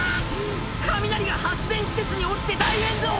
雷が発電施設に落ちて大炎上！